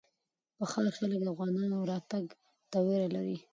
د ښار خلک د افغانانو راتګ ته وېره لري.